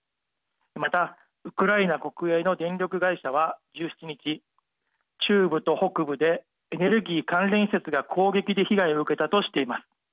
また、ウクライナ国営の電力会社は１７日、中部と北部でエネルギー関連施設が攻撃で被害を受けたとしています。